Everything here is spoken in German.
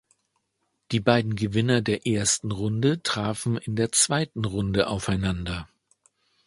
Die beiden Gewinner der ersten Runde trafen in der zweiten Runde aufeinander.